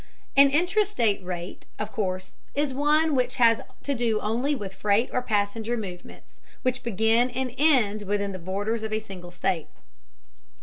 An intra state rate, of course, is one which has to do only with freight or passenger movements which begin and end within the borders of a single state.